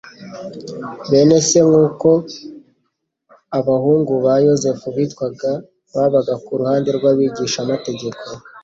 Bene se, nk'uko abahungu ba Yosefu bitwaga, babaga ku ruhande rw'Abigishamategeko